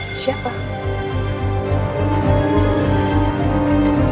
ini siapa rek turn lagi